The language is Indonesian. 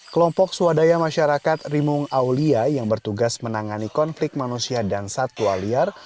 kelompok swadaya masyarakat rimung aulia yang bertugas menangani konflik manusia dan satwa liar